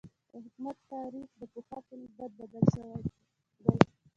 د حکومت تعریف د پخوا په نسبت بدل شوی دی.